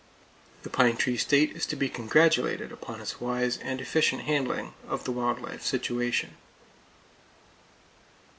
The Pine Tree State is to be congratulated upon its wise and efficient handling of the wild life situation.